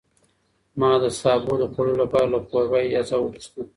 ما د سابو د خوړلو لپاره له کوربه اجازه وغوښته.